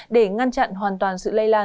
để ngăn chặn hoàn toàn sự lây lan